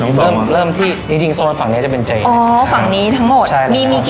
สวัสดีค่ะสวัสดีค่ะสวัสดีค่ะสวัสดีค่ะสวัสดีค่ะ